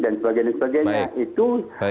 dan sebagainya sebagainya itu